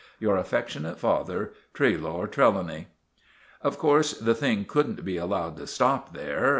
"Your affectionate father, "TRELOAR TRELAWNY." Of course, the thing couldn't be allowed to stop there.